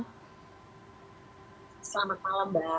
selamat malam mbak